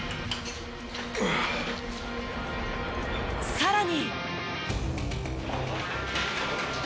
さらに。